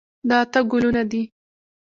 دا اته ګلونه دي.